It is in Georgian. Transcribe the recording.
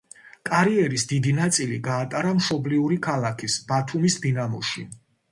კარიერის დიდი ნაწილი გაატარა მშობლიური ქალაქის, ბათუმის „დინამოში“.